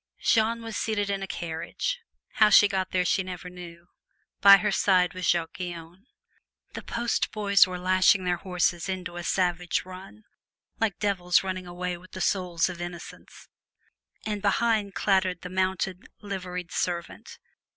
Jeanne was seated in a carriage how she got there she never knew; by her side sat Jacques Guyon. The post boys were lashing their horses into a savage run, like devils running away with the souls of innocents, and behind clattered the mounted, liveried servant.